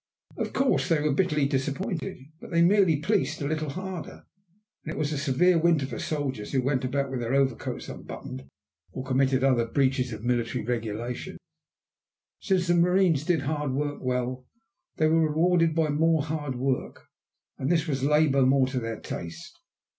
Of course they were bitterly disappointed, but they merely policed a little harder, and it was a severe winter for soldiers who went about with their overcoats unbuttoned, or committed other breaches of military regulations. Since the marines did hard work well, they were rewarded by more hard work, and this was labor more to their taste.